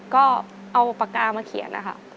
ก็เอาปากกามาเขียนนะคะ